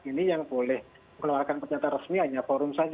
ini yang boleh mengeluarkan pernyataan resmi hanya forum saja